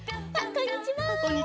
こんにちは！